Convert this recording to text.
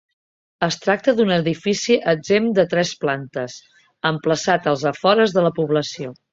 Es tracta d'un edifici exempt de tres plantes, emplaçat als afores de la població.